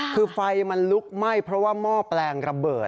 คือไฟมันลุกไหม้เพราะว่าหม้อแปลงระเบิด